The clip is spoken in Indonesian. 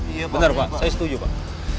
iya pak bener pak saya setuju pak